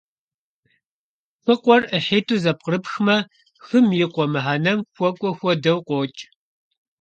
«Хыкъуэр» IыхьитIу зэпкърыпхмэ - «хым и къуэ» мыхьэнэм хуэкIуэ хуэдэу къокI.